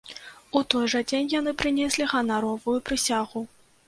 У той жа дзень яны прынеслі ганаровую прысягу.